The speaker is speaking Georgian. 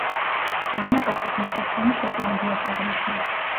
მამაკაცის მოსასხამი შოტლანდიას აღნიშნავს.